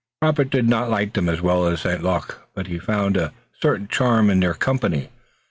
Robert did not like them as well as St. Luc, but he found a certain charm in their company.